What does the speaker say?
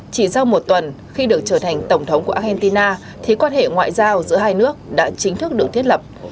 chỉ sau một tuần khi được trở thành tổng thống của argentina thì quan hệ ngoại giao giữa hai nước đã chính thức được thiết lập